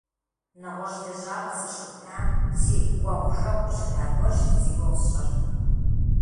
НэгъуэщӀ лэжьапӀэ сыщыӀутам си кӀуэгъужэгъуу щыта гуэрщ зи гугъу сщӀыр.